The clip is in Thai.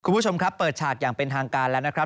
คุณผู้ชมครับเปิดฉากอย่างเป็นทางการแล้วนะครับ